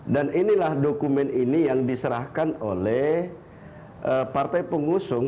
dan inilah dokumen ini yang diserahkan oleh partai pengusung